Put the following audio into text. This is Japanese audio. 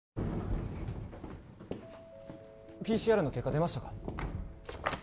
ＰＣＲの結果出ましたか？